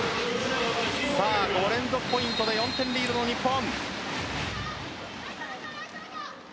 ５連続ポイントで４点リードの日本。